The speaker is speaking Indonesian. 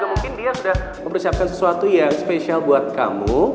mungkin dia sudah mempersiapkan sesuatu yang spesial buat kamu